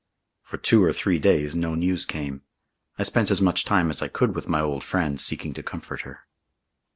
For two or three days no news came. I spent as much time as I could with my old friend, seeking to comfort her.